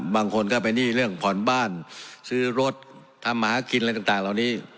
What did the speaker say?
บางคนก็ไปหนี้เรื่องผ่อนบ้านซื้อรถทำหากินอะไรต่างเหล่านี้